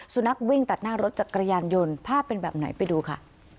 สุนัขวิ่งตัดหน้ารถจักรยานยนต์ภาพเป็นแบบไหนไปดูค่ะ